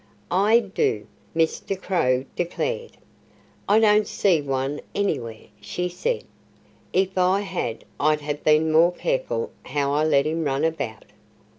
"I do," Mr. Crow declared. "I don't see one anywhere," she said. "If I had I'd have been more careful how I let him run about."